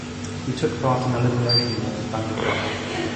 He took part in the Liberation War of Bangladesh.